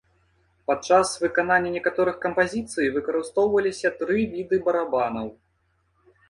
Падчас выканання некаторых кампазіцый выкарыстоўваліся тры віды барабанаў.